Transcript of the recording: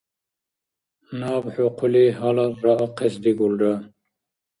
Наб хӀу хъули гьалар раахъес дигулра.